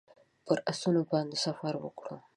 پر آسونو باندې سفر وکړو.